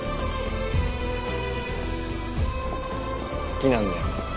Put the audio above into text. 好きなんだよ